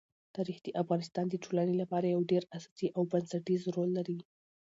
تاریخ د افغانستان د ټولنې لپاره یو ډېر اساسي او بنسټيز رول لري.